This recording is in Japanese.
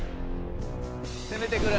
攻めてくる！